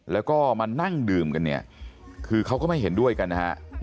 แล้วก็มานั่งดื่มกันเนี่ยคือเขาก็ไม่เห็นด้วยกันนะฮะ